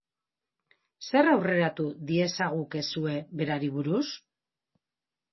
Zer aurreratu diezagukezue berari buruz?